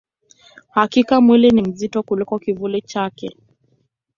Hakika, mwili ni mzito kuliko kivuli chake.